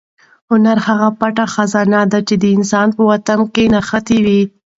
هنر هغه پټه خزانه ده چې د انسان په باطن کې نغښتې وي.